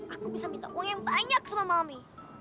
aku bisa minta uang yang banyak sama mama